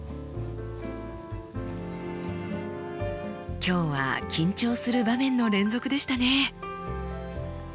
今日は緊張する場面の連続でしたね。